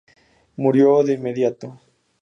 Murió de inmediato.